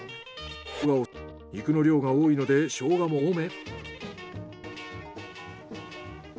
肉の量が多いのでショウガも多め。